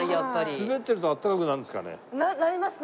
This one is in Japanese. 滑ってるとあったかくなるんですかね？